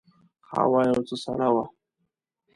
هوا یو څه سړه وه.